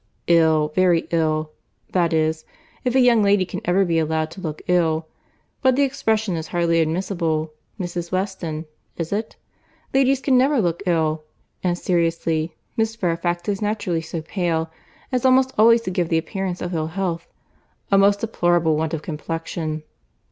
"Ill, very ill—that is, if a young lady can ever be allowed to look ill. But the expression is hardly admissible, Mrs. Weston, is it? Ladies can never look ill. And, seriously, Miss Fairfax is naturally so pale, as almost always to give the appearance of ill health.—A most deplorable want of complexion."